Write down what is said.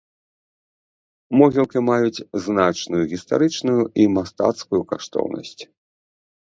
Могілкі маюць значную гістарычную і мастацкую каштоўнасць.